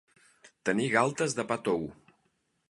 Tenir galtes de pa tou.